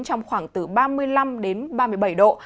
trong khoảng từ ba mươi năm đến ba mươi bảy độ